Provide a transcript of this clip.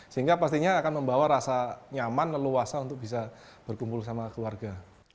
sehingga pastinya akan membawa rasa nyaman leluasa untuk bisa berkumpul sama keluarga